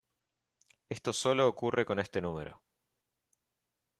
Esto solo ocurre con este número.